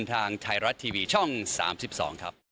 ทางไทยรัฐทีวีช่อง๓๒ครับ